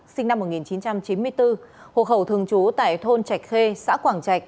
sinh năm một nghìn chín trăm chín mươi bốn hộ khẩu thường trú tại thôn trạch khê xã quảng trạch